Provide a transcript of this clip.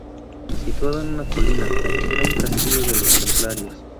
Situado en una colina, era un castillo de los Templarios.